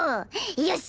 よし！